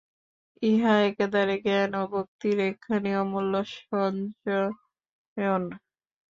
ইহা একাধারে জ্ঞান ও ভক্তির একখানি অমূল্য সঞ্চয়ন।